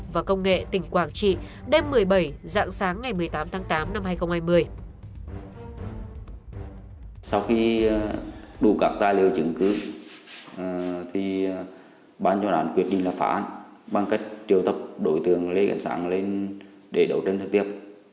và công nghệ tỉnh quảng trị đêm một mươi bảy dạng sáng ngày một mươi tám tháng tám năm hai nghìn hai mươi